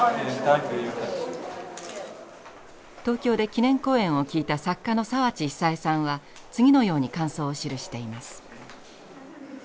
東京で記念講演を聴いた作家の澤地久枝さんは次のように感想を記しています。